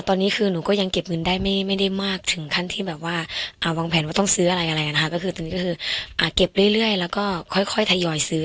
ตอนนี้คือหนูก็ยังเก็บเงินได้ไม่ได้มากถึงขั้นที่แบบว่าวางแผนว่าต้องซื้ออะไรอะไรนะคะก็คือตอนนี้ก็คือเก็บเรื่อยแล้วก็ค่อยทยอยซื้อ